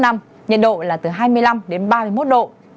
nhiệt độ là từ hai mươi năm đến ba mươi một độ